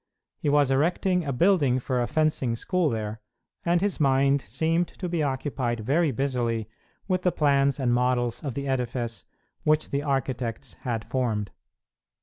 He was erecting a building for a fencing school there, and his mind seemed to be occupied very busily with the plans and models of the edifice which the architects had formed.